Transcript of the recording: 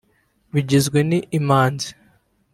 bigizwe n’Imanzi